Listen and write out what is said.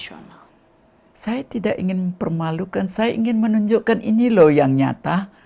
saya tidak ingin mempermalukan saya ingin menunjukkan ini loh yang nyata